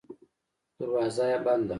دروازه یې بنده وه.